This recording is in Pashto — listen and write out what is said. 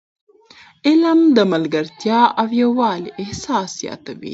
علم د ملګرتیا او یووالي احساس زیاتوي.